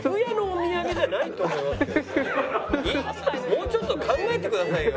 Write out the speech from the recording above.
もうちょっと考えてくださいよ。